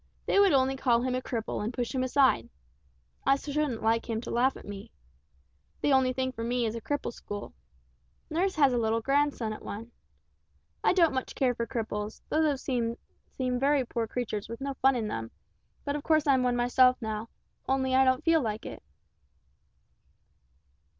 They would only call him a cripple and push him aside. I shouldn't like them to laugh at me. The only thing for me is a cripple school. Nurse has a little grandson at one. I don't much care for cripples, those I've seen seem very poor creatures with no fun in them, but of course I'm one myself now; only I don't feel like it."